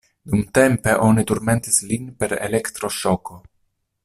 Dumtempe oni turmentis lin per elektro-ŝoko.